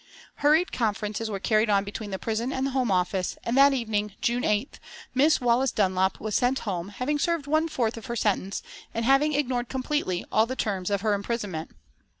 Hurried conferences were carried on between the prison and the Home Office, and that evening, June 8th, Miss Wallace Dunlop was sent home, having served one fourth of her sentence, and having ignored completely all the terms of her imprisonment.